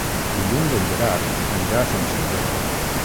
Dilluns en Gerard anirà a Son Servera.